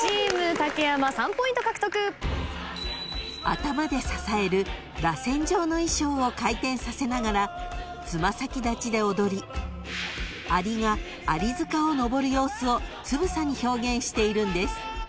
［頭で支えるらせん状の衣装を回転させながらつま先立ちで踊りありがあり塚をのぼる様子をつぶさに表現しているんです］